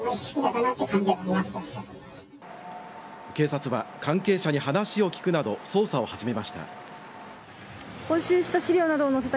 警察は関係者に話を聞くなど捜査を始めました。